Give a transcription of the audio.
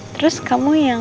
terus kamu yang